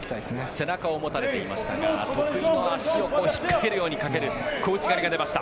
背中を持たれていましたが得意の足を引っかけるようにかける小内刈りが出ました。